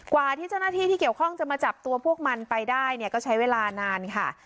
กว่าที่เจ้าหน้าที่ที่เกี่ยวข้องจะมาจับตัวพวกมันไปได้เนี่ยก็ใช้เวลานานค่ะ